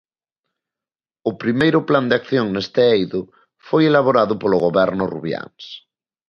O Primeiro Plan de acción neste eido foi elaborado polo Goberno Rubiáns.